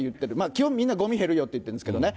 基本、みんなごみ減るよって言ってるんですけどね。